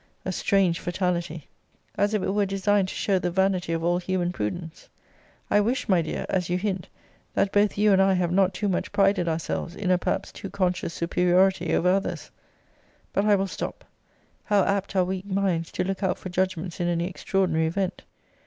A strange fatality! As if it were designed to show the vanity of all human prudence. I wish, my dear, as you hint, that both you and I have not too much prided ourselves in a perhaps too conscious superiority over others. But I will stop how apt are weak minds to look out for judgments in any extraordinary event!